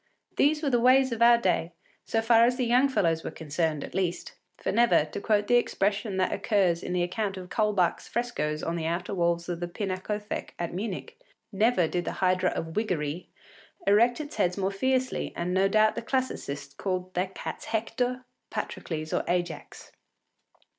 These were the ways of our day, so far as the young fellows were concerned, at least: for never, to quote the expression that occurs in the account of Kaulbach’s frescoes on the outer walls of the Pinacothek at Munich, never did the hydra of “wiggery” (perruquinisme) erect its heads more fiercely, and no doubt the Classicists called their cats Hector, Patrocles, or Ajax.